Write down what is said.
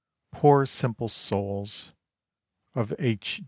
Poor simple souls, of H.